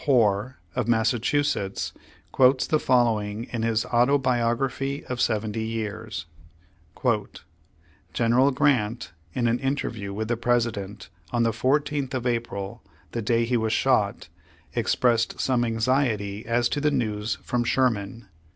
Hoar, of Massachusetts, quotes the following in his "Autobiography of Seventy Years:" ''General Grant, in an interview with the President, on the 14th of April, the day he was shot, expressed some anxiety as to the news from Sherm^an.